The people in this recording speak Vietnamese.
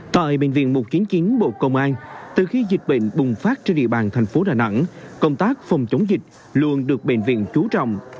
tại bệnh viện một trăm chín mươi chín bộ công an từ khi dịch bệnh bùng phát trên địa bàn thành phố đà nẵng công tác phòng chống dịch luôn được bệnh viện chú trọng